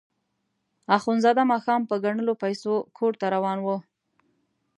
اخندزاده ماښام په ګڼلو پیسو کور ته روان وو.